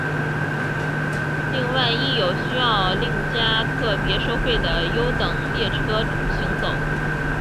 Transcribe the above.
另外亦有需要另加特别收费的优等列车行走。